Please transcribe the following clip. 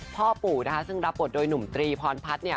พ่อปู่นะคะรับปรบดโดยหนุ่มตรีพรพัฒน์เนี่ย